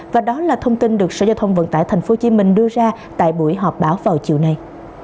và đó là thông tin được sở giao thông vận tải tp hcm đưa ra tại buổi họp báo vào chiều nay